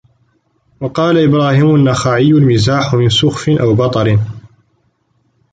وَقَالَ إبْرَاهِيمُ النَّخَعِيُّ الْمِزَاحُ مِنْ سُخْفٍ أَوْ بَطَرٍ